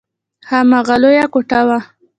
هماغه لويه کوټه وه.